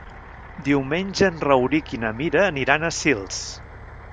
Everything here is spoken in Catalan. Diumenge en Rauric i na Mira aniran a Sils.